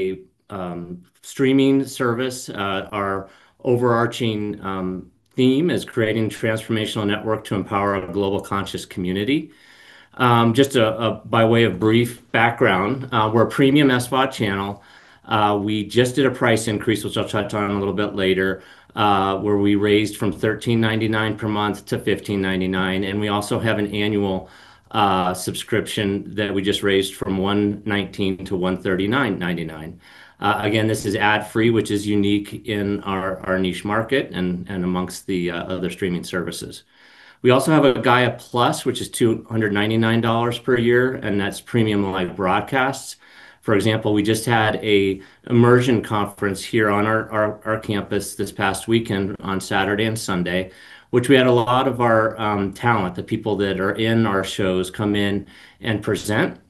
A streaming service. Our overarching theme is creating transformational network to empower a global conscious community. Just by way of brief background, we're a premium SVOD channel. We just did a price increase, which I'll touch on a little bit later, where we raised from $13.99 per month to $15.99. We also have an annual subscription that we just raised from $119-139.99. Again, this is ad-free, which is unique in our niche market and amongst the other streaming services. We also have a Gaia+, which is $299 per year, and that's premium live broadcasts. For example, we just had an immersion conference here on our campus this past weekend on Saturday and Sunday, which we had a lot of our talent, the people that are in our shows come in and present.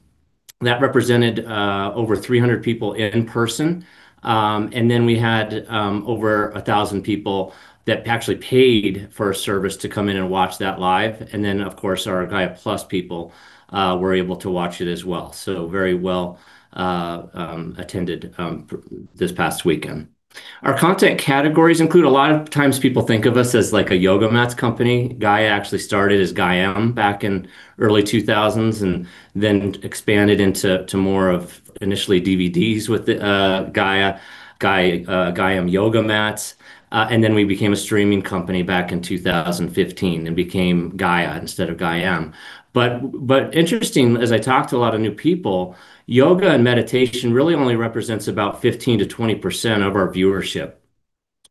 That represented over 300 people in person. Then we had over 1,000 people that actually paid for a service to come in and watch that live. Of course, our Gaia+ people were able to watch it as well. It was very well attended this past weekend. Our content categories include. A lot of times people think of us as, like, a yoga mats company. Gaia actually started as Gaiam back in early 2000s and then expanded into more of initially DVDs with the Gaia yoga mats. We became a streaming company back in 2015 and became Gaia instead of Gaiam. Interesting, as I talk to a lot of new people, yoga and meditation really only represents about 15%-20% of our viewership.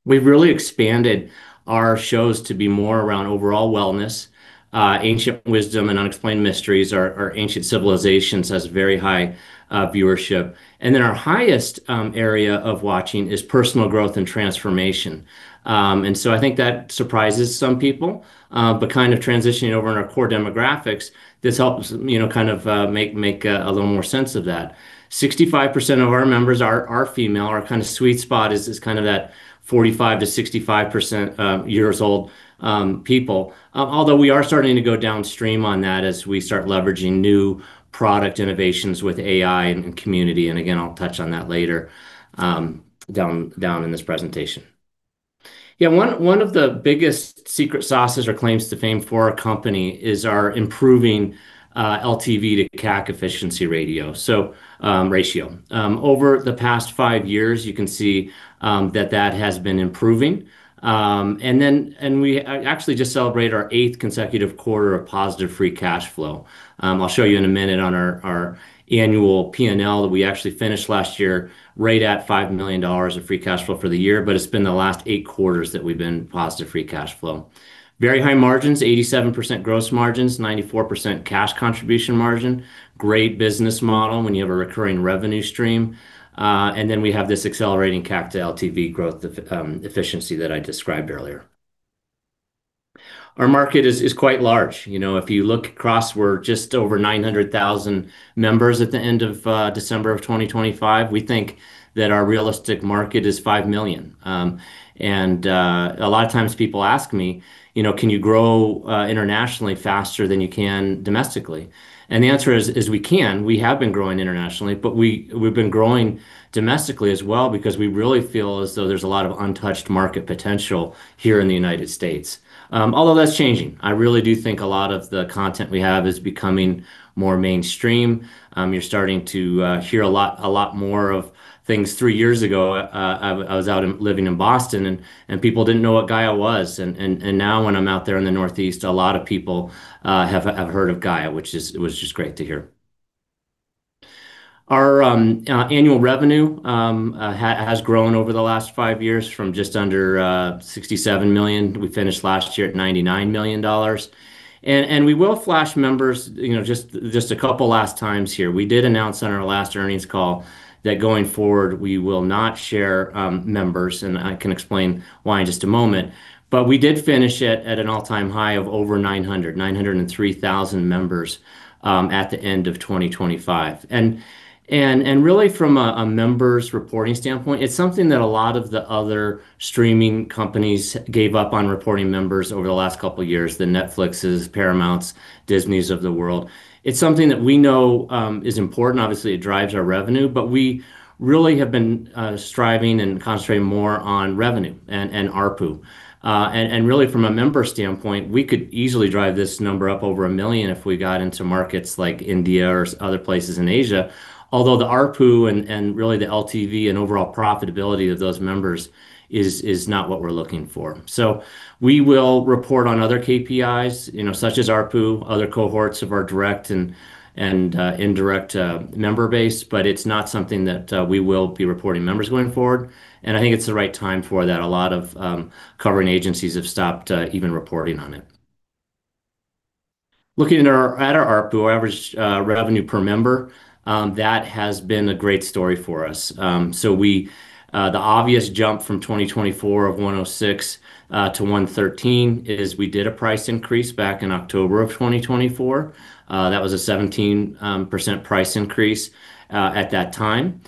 We've really expanded our shows to be more around overall wellness, ancient wisdom and unexplained mysteries. Our ancient civilizations has very high viewership. Our highest area of watching is personal growth and transformation. I think that surprises some people. Kind of transitioning over in our core demographics, this helps, you know, kind of make a little more sense of that. 65% of our members are female. Our kind of sweet spot is kind of that 45-65 years old people. Although we are starting to go downstream on that as we start leveraging new product innovations with AI and community. Again, I'll touch on that later, down in this presentation. Yeah, one of the biggest secret sauces or claims to fame for our company is our improving LTV to CAC efficiency ratio. Over the past five years, you can see that that has been improving. We actually just celebrate our eighth consecutive quarter of positive free cash flow. I'll show you in a minute on our annual P&L that we actually finished last year right at $5 million of free cash flow for the year, but it's been the last eight quarters that we've been positive free cash flow. Very high margins, 87% gross margins, 94% cash contribution margin. Great business model when you have a recurring revenue stream. We have this accelerating CAC to LTV growth efficiency that I described earlier. Our market is quite large. You know, if you look across, we're just over 900,000 members at the end of December 2025. We think that our realistic market is 5 million. A lot of times people ask me, "You know, can you grow internationally faster than you can domestically?" The answer is we can. We have been growing internationally, but we've been growing domestically as well because we really feel as though there's a lot of untouched market potential here in the United States. Although that's changing. I really do think a lot of the content we have is becoming more mainstream. You're starting to hear a lot more of things. Three years ago, I was living in Boston, and people didn't know what Gaia was. Now when I'm out there in the Northeast, a lot of people have heard of Gaia, which was just great to hear. Our annual revenue has grown over the last five years from just under $67 million. We finished last year at $99 million. We will flash members, you know, just a couple last times here. We did announce on our last earnings call that going forward, we will not share members, and I can explain why in just a moment. We did finish it at an all-time high of over 903,000 members at the end of 2025. Really from a members reporting standpoint, it's something that a lot of the other streaming companies gave up on reporting members over the last couple years, the Netflixes, Paramounts, Disneys of the world. It's something that we know is important. Obviously, it drives our revenue, but we really have been striving and concentrating more on revenue and ARPU. Really from a member standpoint, we could easily drive this number up over million if we got into markets like India or other places in Asia. Although the ARPU and really the LTV and overall profitability of those members is not what we're looking for. We will report on other KPIs, you know, such as ARPU, other cohorts of our direct and indirect member base, but it's not something that we will be reporting members going forward. I think it's the right time for that. A lot of covering agencies have stopped even reporting on it. Looking at our ARPU, our average revenue per member, that has been a great story for us. The obvious jump from 2024 of $106-$113 is we did a price increase back in October 2024. That was a 17% price increase at that time.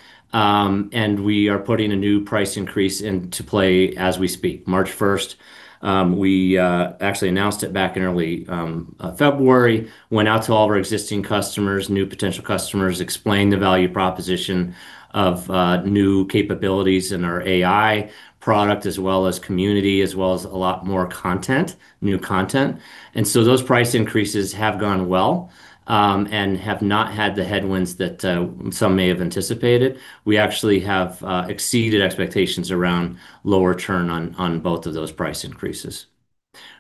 We are putting a new price increase into play as we speak, March first. We actually announced it back in early February. We went out to all of our existing customers, new potential customers, explained the value proposition of new capabilities in our AI product, as well as community, as well as a lot more content, new content. Those price increases have gone well and have not had the headwinds that some may have anticipated. We actually have exceeded expectations around lower churn on both of those price increases.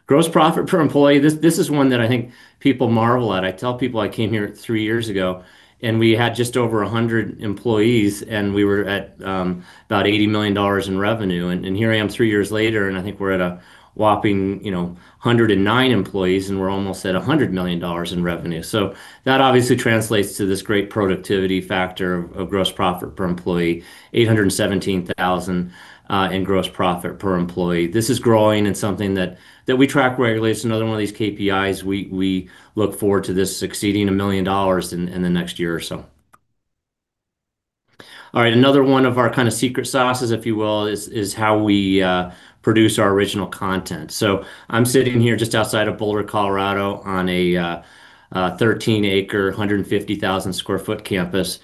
Gross profit per employee. This is one that I think people marvel at. I tell people I came here three years ago, and we had just over 100 employees, and we were at about $80 million in revenue. Here I am three years later, and I think we're at a whopping, you know, 109 employees, and we're almost at $100 million in revenue. That obviously translates to this great productivity factor of gross profit per employee, $817,000 in gross profit per employee. This is growing and something that we track regularly. It's another one of these KPIs. We look forward to this exceeding $1 million in the next year or so. All right. Another one of our kind of secret sauces, if you will, is how we produce our original content. I'm sitting here just outside of Boulder, Colorado, on a 13-acre, 150,000 sq ft campus.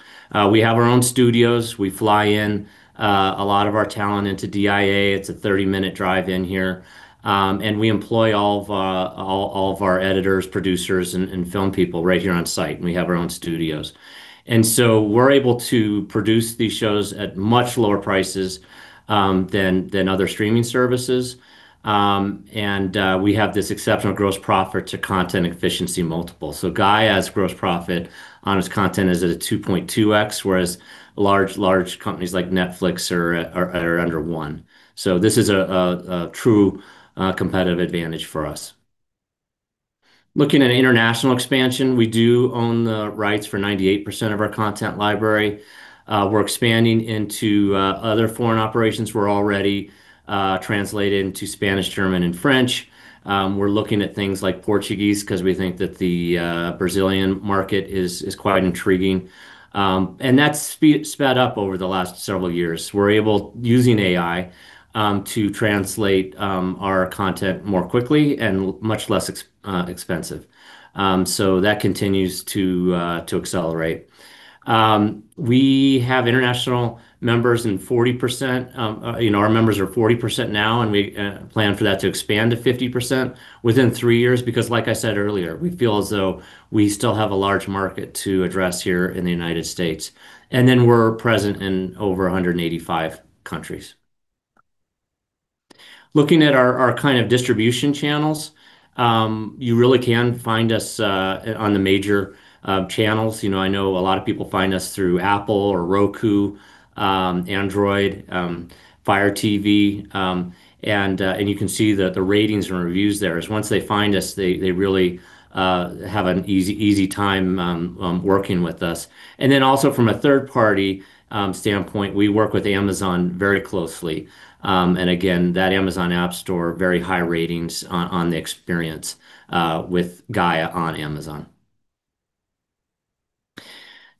We have our own studios. We fly in a lot of our talent into DIA. It's a 30-minute drive in here. We employ all of our editors, producers and film people right here on site, and we have our own studios. We're able to produce these shows at much lower prices than other streaming services. We have this exceptional gross profit to content efficiency multiple. Gaia has gross profit on its content is at a 2.2x, whereas large companies like Netflix are under one. This is a true competitive advantage for us. Looking at international expansion, we do own the rights for 98% of our content library. We're expanding into other foreign operations. We're already translated into Spanish, German, and French. We're looking at things like Portuguese 'cause we think that the Brazilian market is quite intriguing. That's sped up over the last several years. We're able, using AI, to translate our content more quickly and much less expensive. That continues to accelerate. We have international members in 40%. You know, our members are 40% now, and we plan for that to expand to 50% within three years because like I said earlier, we feel as though we still have a large market to address here in the United States. Then we're present in over 185 countries. Looking at our kind of distribution channels, you really can find us on the major channels. You know, I know a lot of people find us through Apple or Roku, Android, Fire TV. You can see that the ratings and reviews there is once they find us, they really have an easy time working with us. Also from a third-party standpoint, we work with Amazon very closely. Again, that Amazon Appstore, very high ratings on the experience with Gaia on Amazon.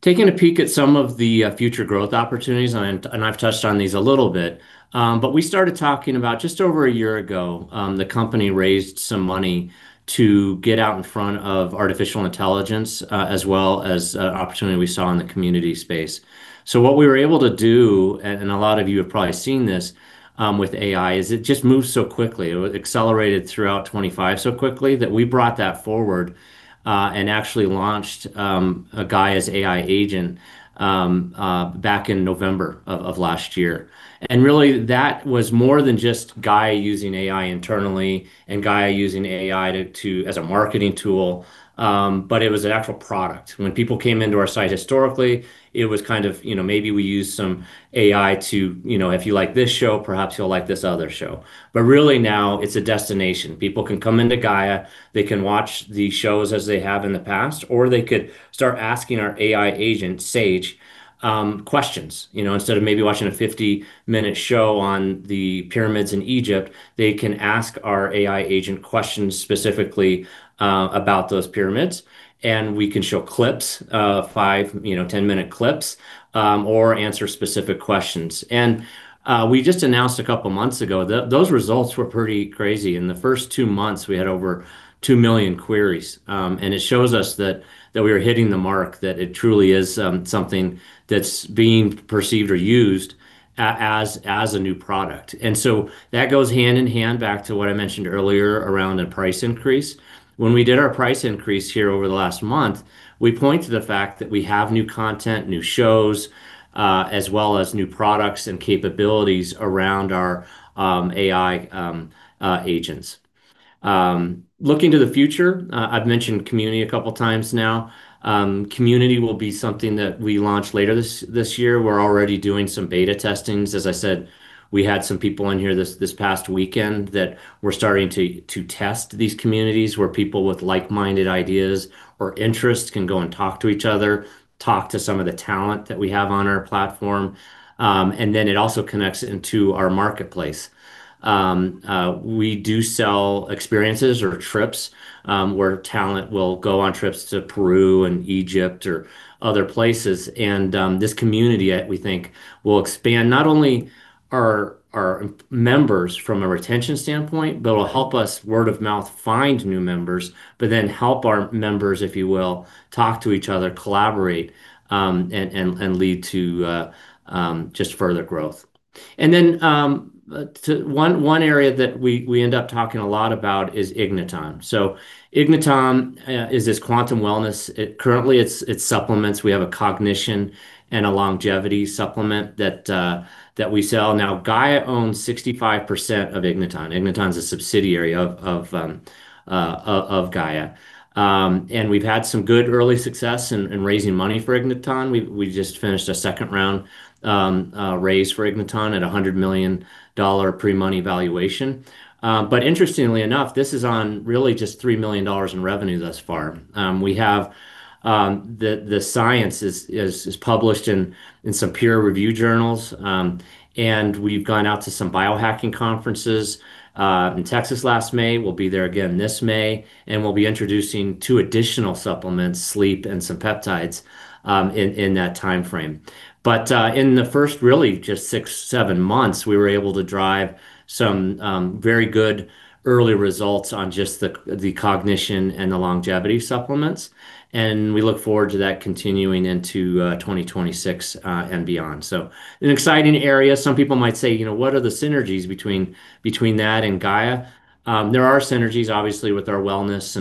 Taking a peek at some of the future growth opportunities, I've touched on these a little bit, but we started talking about just over a year ago, the company raised some money to get out in front of artificial intelligence, as well as opportunity we saw in the community space. What we were able to do, and a lot of you have probably seen this, with AI, is it just moves so quickly. It accelerated throughout 2025 so quickly that we brought that forward, and actually launched a Gaia's AI agent, back in November of last year. Really, that was more than just Gaia using AI internally and Gaia using AI to as a marketing tool, but it was an actual product. When people came into our site historically, it was kind of, you know, maybe we used some AI to, you know, if you like this show, perhaps you'll like this other show. Really now it's a destination. People can come into Gaia, they can watch the shows as they have in the past, or they could start asking our AI agent, Sage, questions. You know, instead of maybe watching a 50 minute show on the pyramids in Egypt, they can ask our AI agent questions specifically about those pyramids, and we can show clips, five, you know, 10-minute clips, or answer specific questions. We just announced a couple months ago, those results were pretty crazy. In the first two months, we had over two million queries. And it shows us that we are hitting the mark, that it truly is something that's being perceived or used as a new product. That goes hand in hand back to what I mentioned earlier around a price increase. When we did our price increase here over the last month, we point to the fact that we have new content, new shows, as well as new products and capabilities around our AI agents. Looking to the future, I've mentioned community a couple of times now. Community will be something that we launch later this year. We're already doing some beta testings. As I said, we had some people in here this past weekend that were starting to test these communities where people with like-minded ideas or interests can go and talk to each other, talk to some of the talent that we have on our platform. It also connects into our marketplace. We do sell experiences or trips, where talent will go on trips to Peru and Egypt or other places. This community, we think, will expand not only our members from a retention standpoint, but it'll help us word of mouth find new members, but then help our members, if you will, talk to each other, collaborate, and lead to just further growth. One area that we end up talking a lot about is Igniton. So Igniton is this quantum wellness. It currently, it's supplements. We have a cognition and a longevity supplement that we sell. Now Gaia owns 65% of Igniton. Igniton is a subsidiary of Gaia. We've had some good early success in raising money for Igniton. We just finished a second round raise for Igniton at a $100 million pre-money valuation. Interestingly enough, this is on really just $3 million in revenue thus far. We have the science is published in some peer review journals. We've gone out to some biohacking conferences in Texas last May. We'll be there again this May, and we'll be introducing two additional supplements, sleep and some peptides in that timeframe. In the first really just six, seven months, we were able to drive some very good early results on just the cognition and the longevity supplements, and we look forward to that continuing into 2026 and beyond. An exciting area. Some people might say, "You know, what are the synergies between that and Gaia?" There are synergies obviously with our wellness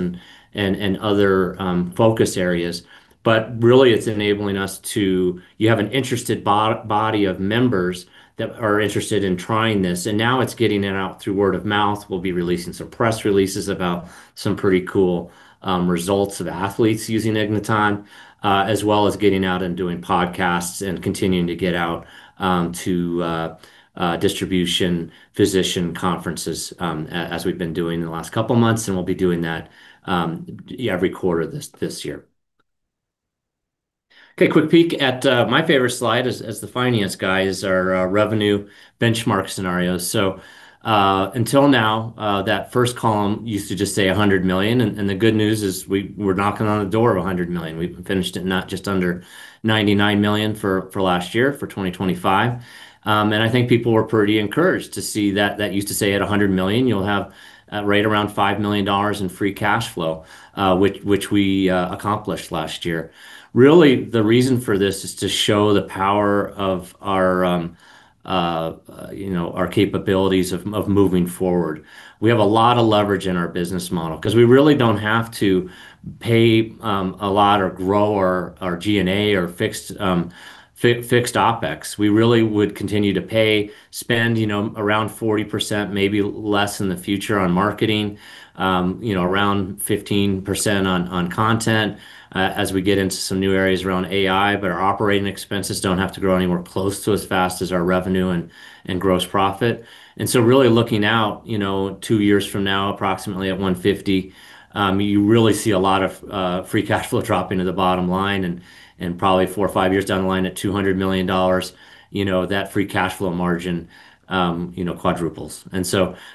and other focus areas, but really it's enabling us to. You have an interested body of members that are interested in trying this, and now it's getting it out through word of mouth. We'll be releasing some press releases about some pretty cool results of athletes using Igniton, as well as getting out and doing podcasts and continuing to get out to distribution physician conferences, as we've been doing in the last couple months, and we'll be doing that every quarter this year. Okay, quick peek at my favorite slide as the finance guy is our revenue benchmark scenario. Until now, that first column used to just say $100 million, and the good news is we're knocking on the door of $100 million. We finished at just under $99 million for last year, for 2025. I think people were pretty encouraged to see that. That used to say at $100 million, you'll have right around $5 million in free cash flow, which we accomplished last year. Really, the reason for this is to show the power of our, you know, our capabilities of moving forward. We have a lot of leverage in our business model 'cause we really don't have to pay a lot or grow our G&A or fixed OpEx. We really would continue to pay, spend, you know, around 40%, maybe less in the future on marketing, you know, around 15% on content, as we get into some new areas around AI. Our operating expenses don't have to grow anywhere close to as fast as our revenue and gross profit. Really looking out, you know, two years from now, approximately at $150, you really see a lot of free cash flow drop into the bottom line and probably four or five years down the line at $200 million, you know, that free cash flow margin quadruples.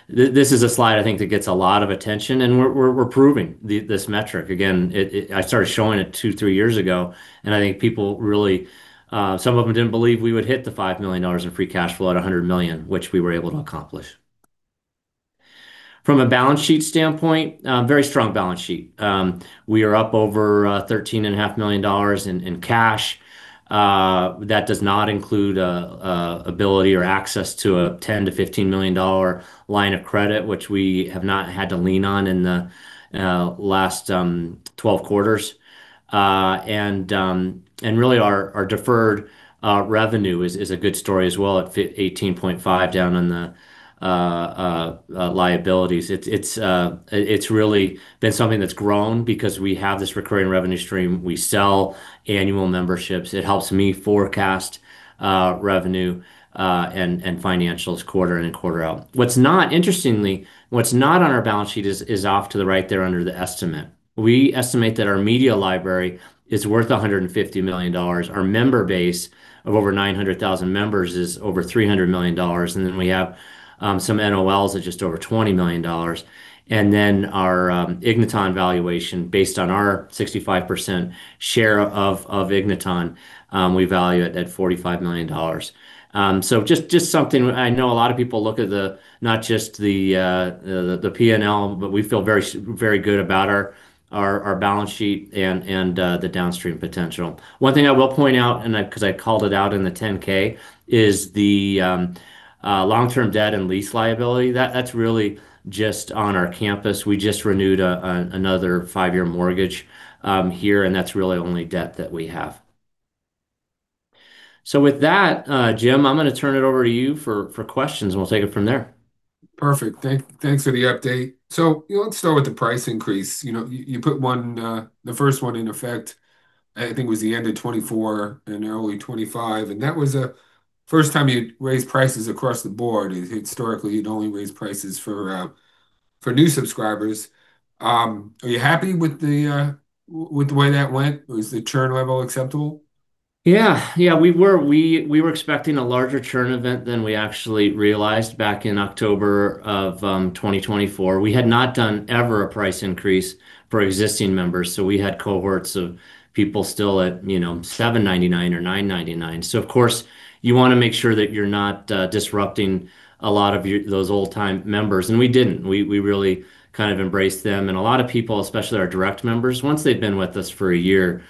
This is a slide I think that gets a lot of attention, and we're proving this metric. Again, I started showing it 2-3 years ago, and I think people really, some of them didn't believe we would hit the $5 million in free cash flow at a $100 million, which we were able to accomplish. From a balance sheet standpoint, very strong balance sheet. We are up over $13.5 million in cash. That does not include ability or access to a $10 million-$15 million line of credit, which we have not had to lean on in the last 12 quarters. Really our deferred revenue is a good story as well at $58.5 million down in the liabilities. It's really been something that's grown because we have this recurring revenue stream. We sell annual memberships. It helps me forecast revenue and financials quarter in and quarter out. Interestingly, what's not on our balance sheet is off to the right there under the estimate. We estimate that our media library is worth $150 million. Our member base of over 900,000 members is over $300 million. We have some NOLs at just over $20 million. Our Igniton valuation, based on our 65% share of Igniton, we value it at $45 million. I know a lot of people look at not just the P&L, but we feel very good about our balance sheet and the downstream potential. One thing I will point out, and I 'cause I called it out in the 10-K, is the long-term debt and lease liability. That's really just on our campus. We just renewed another five-year mortgage here, and that's really only debt that we have. With that, Jim, I'm gonna turn it over to you for questions, and we'll take it from there. Perfect. Thanks for the update. You know, let's start with the price increase. You know, you put one, the first one in effect I think was the end of 2024 and early 2025, and that was a first time you'd raised prices across the board. Historically, you'd only raised prices for new subscribers. Are you happy with the way that went? Was the churn level acceptable? Yeah. We were expecting a larger churn event than we actually realized back in October of 2024. We had not done ever a price increase for existing members, so we had cohorts of people still at, you know, $7.99 or $9.99. So of course, you wanna make sure that you're not disrupting a lot of those old-time members, and we didn't. We really kind of embraced them. A lot of people, especially our direct members, once they've been with us for a year,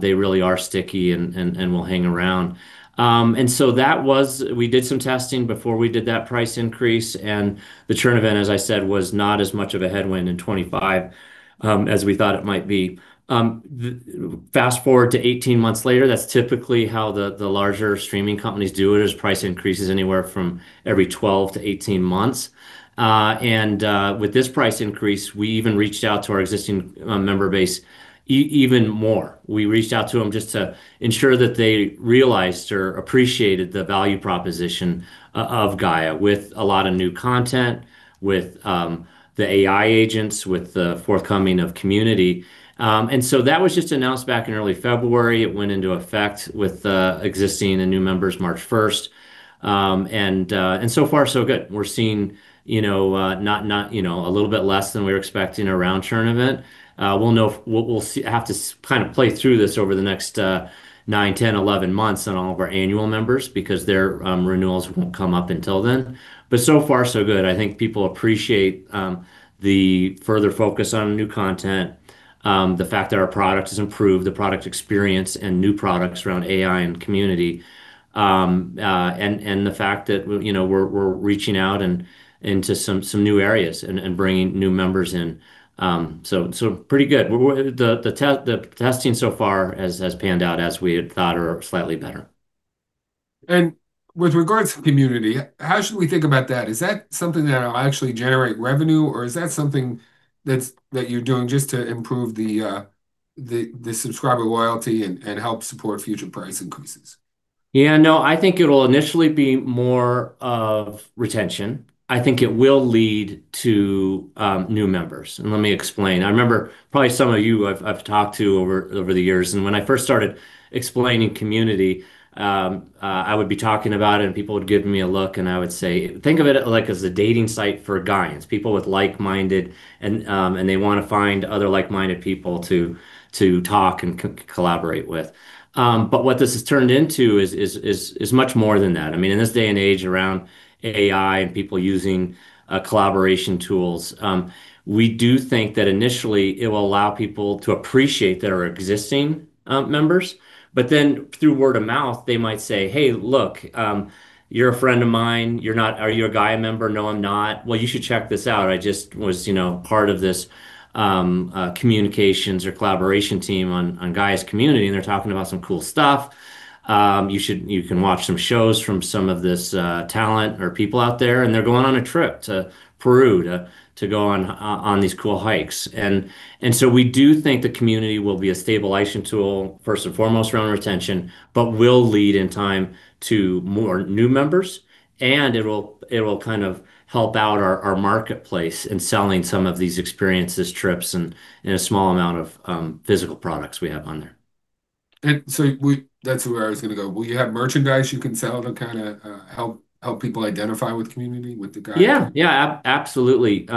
they really are sticky and will hang around. That was. We did some testing before we did that price increase, and the churn event, as I said, was not as much of a headwind in 2025 as we thought it might be. Fast-forward to 18 months later, that's typically how the larger streaming companies do it is price increases anywhere from every 12-18 months. With this price increase, we even reached out to our existing member base even more. We reached out to them just to ensure that they realized or appreciated the value proposition of Gaia with a lot of new content, with the AI agents, with the forthcoming of community. That was just announced back in early February. It went into effect with existing and new members March 1. So far so good. We're seeing, you know, a little bit less than we were expecting around churn event. We'll know. We'll see. Have to kind of play through this over the next nine, 10, 11 months on all of our annual members because their renewals won't come up until then. So far so good. I think people appreciate the further focus on new content, the fact that our product has improved, the product experience and new products around AI and community, and the fact that you know, we're reaching out and into some new areas and bringing new members in. Pretty good. The testing so far has panned out as we had thought or slightly better. With regards to community, how should we think about that? Is that something that'll actually generate revenue, or is that something that's you're doing just to improve the subscriber loyalty and help support future price increases? Yeah, no, I think it'll initially be more of retention. I think it will lead to new members, and let me explain. I remember probably some of you I've talked to over the years, and when I first started explaining community, I would be talking about it, and people would give me a look, and I would say, "Think of it, like, as a dating site for guys, people with like-minded and they wanna find other like-minded people to talk and collaborate with." What this has turned into is much more than that. I mean, in this day and age around AI and people using collaboration tools, we do think that initially it will allow people to appreciate their existing members. Through word of mouth, they might say, "Hey, look, you're a friend of mine. Are you a Gaia member?" "No, I'm not." "Well, you should check this out. I just was, you know, part of this, communications or collaboration team on Gaia's community, and they're talking about some cool stuff. You can watch some shows from some of this talent or people out there, and they're going on a trip to Peru to go on these cool hikes. We do think the community will be a stabilization tool, first and foremost around retention, but will lead in time to more new members, and it will kind of help out our marketplace in selling some of these experiences, trips and a small amount of physical products we have on there. That's where I was gonna go. Will you have merchandise you can sell to kinda help people identify with community, with the Gaia community? Absolutely.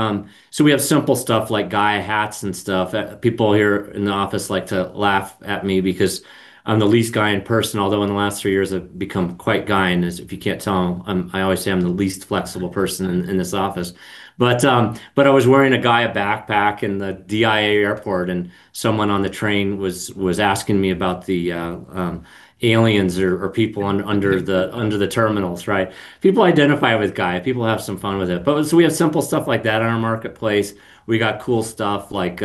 We have simple stuff like Gaia hats and stuff. People here in the office like to laugh at me because I'm the least Gaia person, although in the last three years I've become quite Gaia, and as if you can't tell, I always say I'm the least flexible person in this office. I was wearing a Gaia backpack in the DIA airport, and someone on the train was asking me about the aliens or people under the terminals, right? People identify with Gaia. People have some fun with it. We have simple stuff like that in our marketplace. We got cool stuff like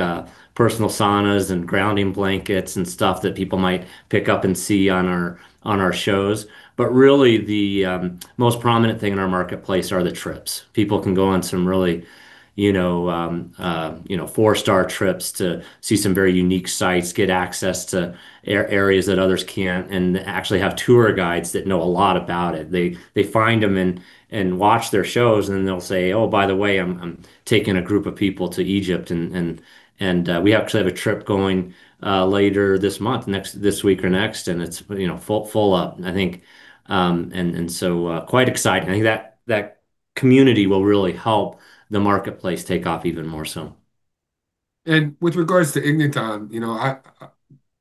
personal saunas and grounding blankets and stuff that people might pick up and see on our shows. Really, the most prominent thing in our marketplace are the trips. People can go on some really, you know, four-star trips to see some very unique sites, get access to areas that others can't and actually have tour guides that know a lot about it. They find them and watch their shows, and then they'll say, "Oh, by the way, I'm taking a group of people to Egypt." We actually have a trip going later this month, this week or next, and it's, you know, full up, I think. Quite exciting. I think that community will really help the marketplace take off even more so. With regards to Igniton, you know,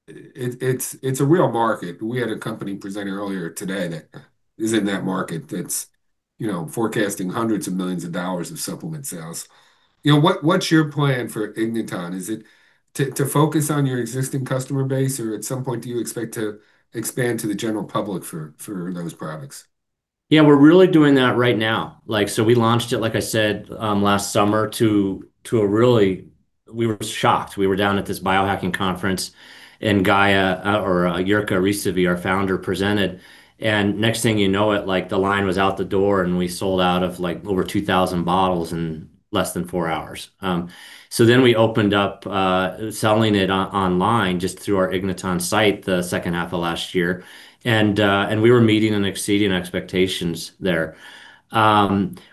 it's a real market. We had a company presenting earlier today that is in that market that's, you know, forecasting hundreds of millions of dollars of supplement sales. You know, what's your plan for Igniton? Is it to focus on your existing customer base, or at some point, do you expect to expand to the general public for those products? Yeah, we're really doing that right now. Like, we launched it, like I said, last summer. We were shocked. We were down at this biohacking conference, and Gaia or Jirka Rysavy, our founder, presented, and next thing you know it, like, the line was out the door, and we sold out of, like, over 2,000 bottles in less than four hours. We opened up selling it online just through our Igniton site the second half of last year, and we were meeting and exceeding expectations there.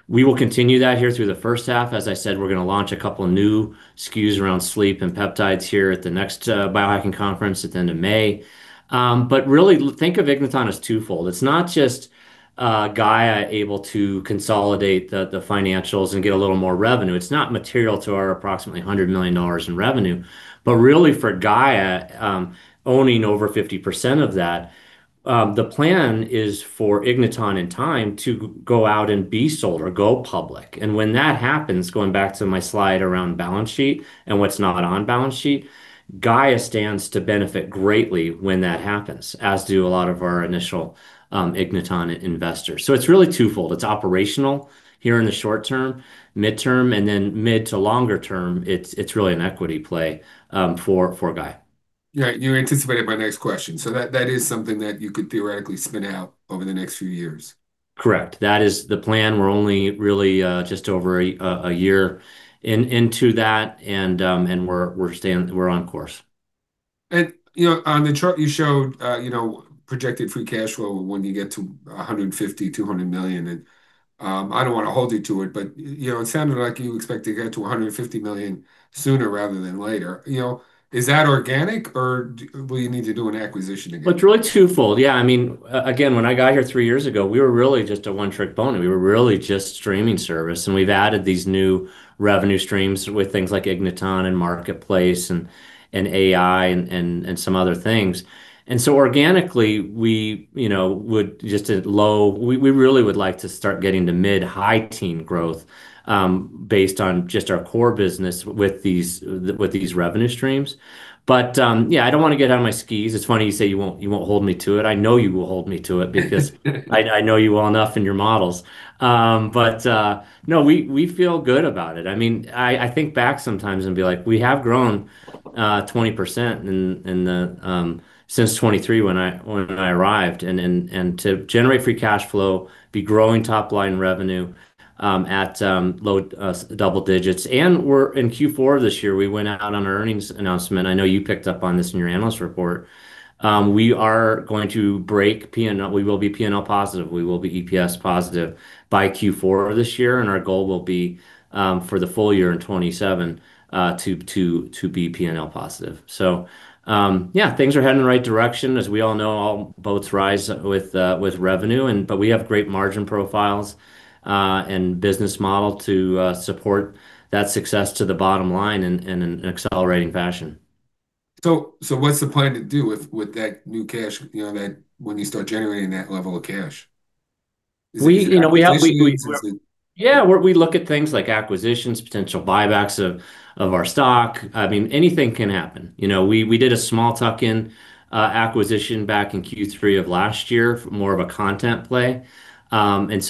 We will continue that here through the first half. As I said, we're gonna launch a couple of new SKUs around sleep and peptides here at the next biohacking conference at the end of May. Really think of Igniton as twofold. It's not just Gaia able to consolidate the financials and get a little more revenue. It's not material to our approximately $100 million in revenue, but really for Gaia owning over 50% of that, the plan is for Igniton in time to go out and be sold or go public. When that happens, going back to my slide around balance sheet and what's not on balance sheet, Gaia stands to benefit greatly when that happens, as do a lot of our initial Igniton investors. It's really twofold. It's operational here in the short term, midterm, and then mid to longer term, it's really an equity play for Gaia. Yeah, you anticipated my next question. That is something that you could theoretically spin out over the next few years. Correct. That is the plan. We're only really just over a year into that, and we're on course. You know, on the chart you showed, you know, projected free cash flow when you get to $150 million-$200 million, I don't wanna hold you to it, but, you know, it sounded like you expect to get to $250 million sooner rather than later. You know, is that organic, or will you need to do an acquisition again? Well, it's really twofold. Yeah, I mean, again, when I got here three years ago, we were really just a one-trick pony. We were really just streaming service, and we've added these new revenue streams with things like Igniton and Marketplace and AI and some other things. Organically, we you know really would like to start getting to mid-high teen growth based on just our core business with these revenue streams. Yeah, I don't wanna get out of my skis. It's funny you say you won't hold me to it. I know you will hold me to it because I know you well enough and your models. No, we feel good about it. I mean, I think back sometimes and be like, we have grown 20% in the since 2023 when I arrived and to generate free cash flow, be growing top-line revenue at low double digits. We're in Q4 of this year. We went out on an earnings announcement. I know you picked up on this in your analyst report. We are going to break P&L. We will be P&L positive. We will be EPS positive by Q4 of this year, and our goal will be for the full year in 2027 to be P&L positive. Yeah, things are heading the right direction. As we all know, all boats rise with revenue, but we have great margin profiles and business model to support that success to the bottom line in an accelerating fashion. What's the plan to do with that new cash, you know, that when you start generating that level of cash? Is it acquisitions? We look at things like acquisitions, potential buybacks of our stock. I mean, anything can happen. You know, we did a small tuck-in acquisition back in Q3 of last year for more of a content play.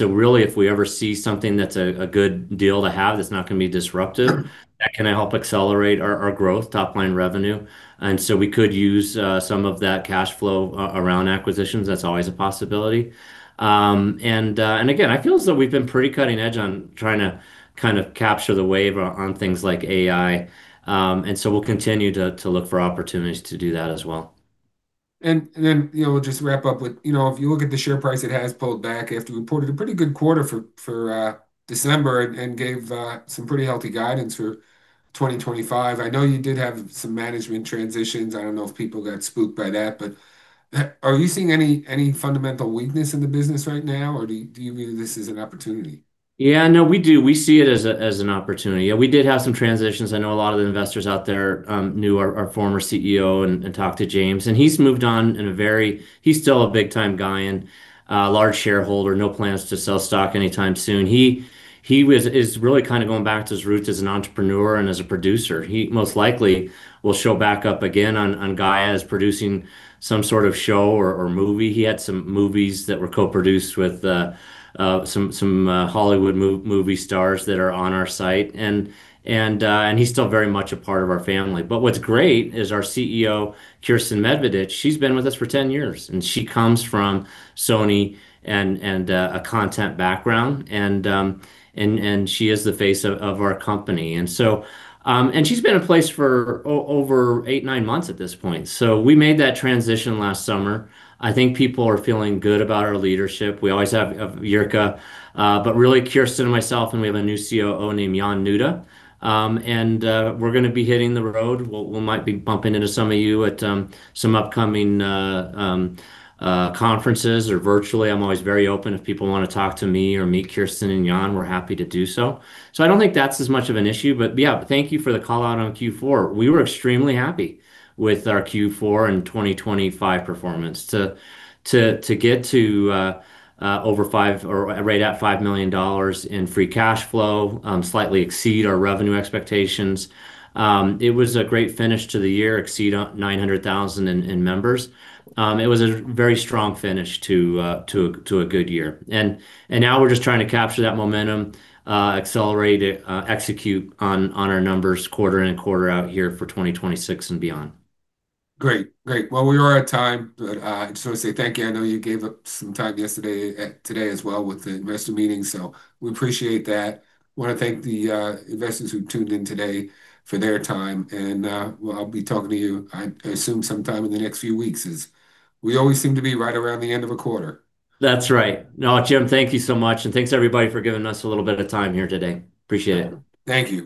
Really, if we ever see something that's a good deal to have that's not gonna be disruptive. Sure. That can help accelerate our growth, top-line revenue. We could use some of that cash flow around acquisitions. That's always a possibility. Again, I feel as though we've been pretty cutting edge on trying to kind of capture the wave on things like AI. We'll continue to look for opportunities to do that as well. Then you know we'll just wrap up with you know if you look at the share price it has pulled back after we reported a pretty good quarter for December and gave some pretty healthy guidance for 2025. I know you did have some management transitions. I don't know if people got spooked by that but are you seeing any fundamental weakness in the business right now or do you view this as an opportunity? Yeah. No, we do. We see it as an opportunity. Yeah, we did have some transitions. I know a lot of the investors out there knew our former CEO and talked to James, and he's moved on. He's still a big-time guy and a large shareholder. No plans to sell stock anytime soon. He is really kind of going back to his roots as an entrepreneur and as a producer. He most likely will show back up again on Gaia as producing some sort of show or movie. He had some movies that were co-produced with some Hollywood movie stars that are on our site. He's still very much a part of our family. What's great is our CEO, Kiersten Medvedich, she's been with us for 10 years, and she comes from Sony and a content background, and she is the face of our company. She's been in place for over eight, nine months at this point. We made that transition last summer. I think people are feeling good about our leadership. We always have Jirka, but really Kiersten and myself, and we have a new COO named Ned Preston. We're gonna be hitting the road. We might be bumping into some of you at some upcoming conferences or virtually. I'm always very open if people wanna talk to me or meet Kiersten and Ned, we're happy to do so. I don't think that's as much of an issue. Yeah, thank you for the call-out on Q4. We were extremely happy with our Q4 and 2025 performance. To get to over $5 million or right at $5 million in free cash flow, slightly exceed our revenue expectations, it was a great finish to the year. Exceed 900,000 in members. It was a very strong finish to a good year. Now we're just trying to capture that momentum, accelerate it, execute on our numbers quarter in and quarter out here for 2026 and beyond. Great. Well, we are at time, but I just wanna say thank you. I know you gave up some time yesterday, today as well with the investor meeting, so we appreciate that. Wanna thank the investors who tuned in today for their time, and well, I'll be talking to you, I assume, sometime in the next few weeks, as we always seem to be right around the end of a quarter. That's right. No, Jim, thank you so much, and thanks everybody for giving us a little bit of time here today. Appreciate it. Thank you.